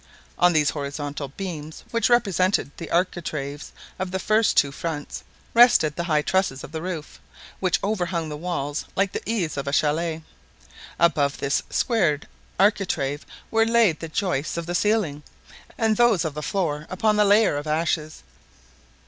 On these horizontal beams, which represented the architraves of the two fronts, rested the high trusses of the roof, which overhung the walls like the eaves of a chalet. Above this squared architrave were laid the joists of the ceiling, and those of the floor upon the layer of ashes.